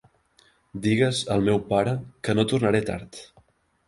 Digues al meu pare que no tornaré tard.